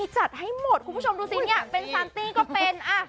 จัดให้หมดคุณผู้ชมดูสิเนี่ยเป็นซานตี้ก็เป็น